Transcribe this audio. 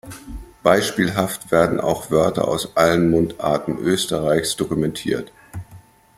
Beispielhaft werden auch Wörter aus allen Mundarten Österreichs dokumentiert.